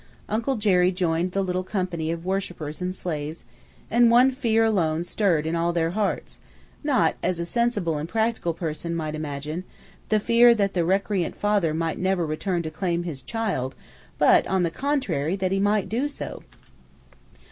Uncle Jerry joined the little company of worshipers and slaves, and one fear alone stirred in all their hearts; not, as a sensible and practical person might imagine, the fear that the recreant father might never return to claim his child, but, on the contrary, that he MIGHT do so!